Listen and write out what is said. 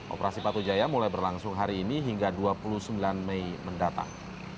operasi patu jaya mulai berlangsung hari ini hingga dua puluh sembilan mei mendatang